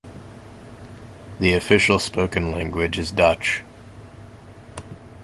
The official spoken language is Dutch.